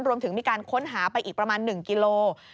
รวมถึงมีการค้นหาไปอีกประมาณ๑กิโล